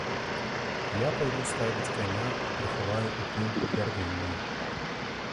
А я пайду ставіць каня і прыхаваю ў пуньку бярвенні.